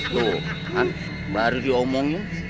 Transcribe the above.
tuh kan baru diomongin